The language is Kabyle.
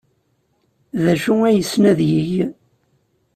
D acu ay yessen ad yeg?